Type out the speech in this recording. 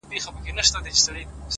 پوه انسان د حقیقت قدر کوي!